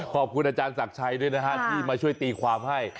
ขอบคุณอาจารย์ศักดิ์ชัยด้วยนะฮะที่มาช่วยตีความให้